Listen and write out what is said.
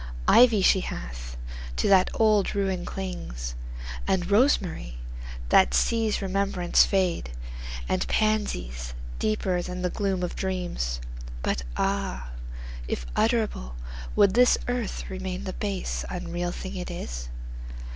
Ivy she hath, that to old ruin clings; And rosemary, that sees remembrance fade; And pansies, deeper than the gloom of dreams; But ah! if utterable, would this earth Remain the base, unreal thing it is?